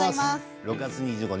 ６月２５日